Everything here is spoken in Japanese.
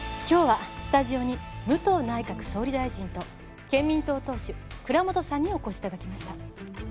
今日はスタジオに武藤内閣総理大臣と憲民党党首蔵本さんにお越し頂きました。